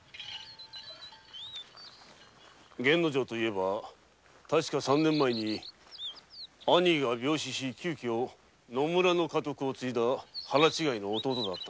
玄之丞といえば確か三年前に兄が病死し急に野村の家督を継いだ腹違いの弟だったな。